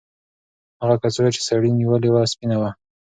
هغه کڅوړه چې سړي نیولې وه سپینه وه.